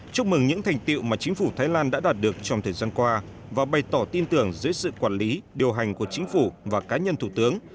chúc mừng những thành tiệu mà chính phủ thái lan đã đạt được trong thời gian qua và bày tỏ tin tưởng dưới sự quản lý điều hành của chính phủ và cá nhân thủ tướng